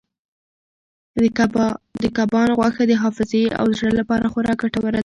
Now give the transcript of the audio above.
د کبانو غوښه د حافظې او زړه لپاره خورا ګټوره ده.